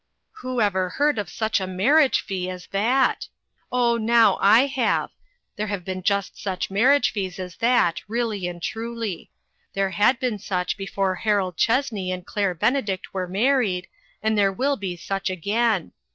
." Who ever heard of such a marriage fee as that ! Oh, now, I have ; there have been just such marriage fees as that, really and truly. There had been such before Harold Chess ney and Claire Benedict were married, and there will be such again.